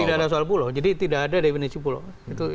tidak ada soal pulau jadi tidak ada definisi pulau